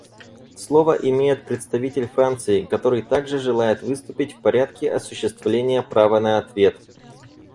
Слово имеет представитель Франции, который также желает выступить в порядке осуществления права на ответ.